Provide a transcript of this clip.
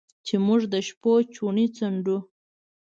چې موږ د شپو څوڼې څنډو